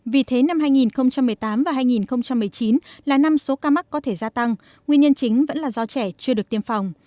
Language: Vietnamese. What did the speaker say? vì thế năm hai nghìn một mươi tám và hai nghìn một mươi chín là năm số ca mắc có thể gia tăng nguyên nhân chính vẫn là do trẻ chưa được tiêm phòng